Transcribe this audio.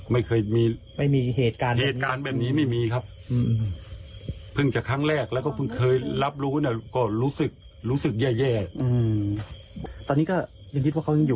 นี่เป็นข้อมูลสำคัญนะครับค่ะสิ่งที่ทางผู้ช่วยผู้ใหญ่บ้านซึ่งเป็นในจ้างของนายโอบอกก็คือว่าคิดว่าเขาน่าจะอยู่ในพื้นที่นี่แหละคงหนีไปไหนได้ไม่ไกล